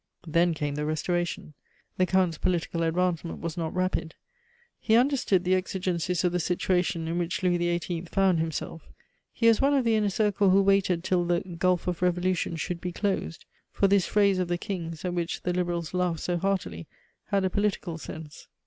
Then came the Restoration. The Count's political advancement was not rapid. He understood the exigencies of the situation in which Louis XVIII. found himself; he was one of the inner circle who waited till the "Gulf of Revolution should be closed" for this phrase of the King's, at which the Liberals laughed so heartily, had a political sense.